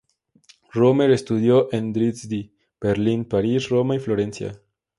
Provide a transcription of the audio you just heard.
Roemer estudió en Dresde, Berlín, París, Roma y Florencia.